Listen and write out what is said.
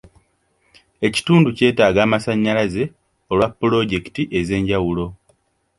Ekitundu kyetaaga amasannyalaze olwa pulojekiti ez'enjawulo.